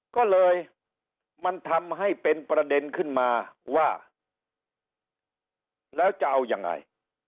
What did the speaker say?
ก็เลยมันทำให้เป็นประเด็นขึ้นมาว่าแล้วจะเอายังไง